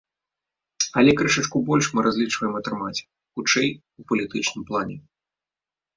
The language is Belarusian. Але крышачку больш мы разлічваем атрымаць, хутчэй, у палітычным плане.